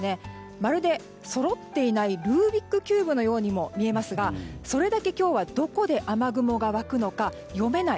まるでそろっていないルービックキューブのようにも見えますが、それだけ今日はどこで雨雲が湧くのか読めない